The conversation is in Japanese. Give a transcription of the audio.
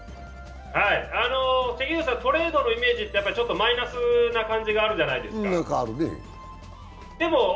関口さん、トレードのイメージってちょっとマイナスの感じがあるじゃないですか。